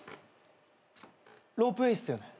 ロープウエーっすよね？